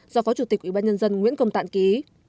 do phó chủ tịch ủy ban nhân dân nguyễn công tạng ký